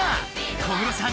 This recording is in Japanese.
小室さん